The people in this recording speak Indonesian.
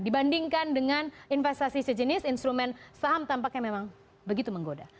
dibandingkan dengan investasi sejenis instrumen saham tampaknya memang begitu menggoda